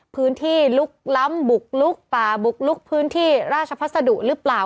ลุกล้ำบุกลุกป่าบุกลุกพื้นที่ราชพัสดุหรือเปล่า